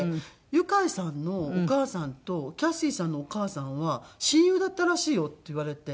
「ユカイさんのお母さんとキャシーさんのお母さんは親友だったらしいよ」って言われて。